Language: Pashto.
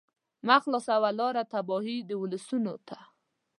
مه خلاصوه لاره تباهۍ د ولسونو ته